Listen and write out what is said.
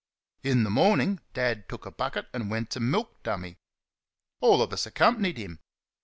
In the morning Dad took a bucket and went to milk "Dummy." All of us accompanied him.